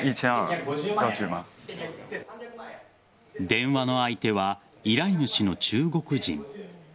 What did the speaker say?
電話の相手は依頼主の中国人。